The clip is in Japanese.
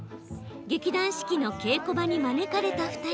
劇団四季の稽古場に招かれた２人。